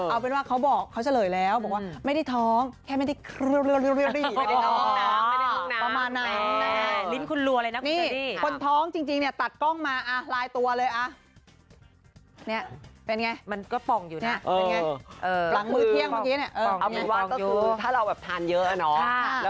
เอาเป็นว่าเค้าเสริญแล้วไม่ได้ท้องแค่ไม่ได้คลื้อ